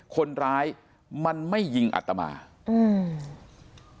คนร้ายมันไม่ยิงอัตมาอืม